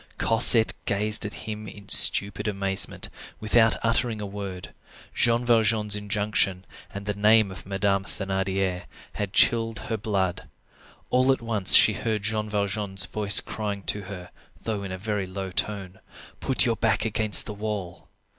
Cosette gazed at him in stupid amazement, without uttering a word. Jean Valjean's injunction, and the name of Madame Thénardier, had chilled her blood. All at once she heard Jean Valjean's voice crying to her, though in a very low tone:— "Put your back against the wall."